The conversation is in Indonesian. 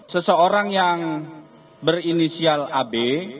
seseorang yang berinisial ab